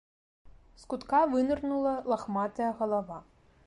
З кутка вынырнула лахматая галава.